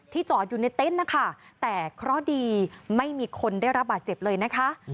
จอดอยู่ในเต็นต์นะคะแต่เคราะห์ดีไม่มีคนได้รับบาดเจ็บเลยนะคะ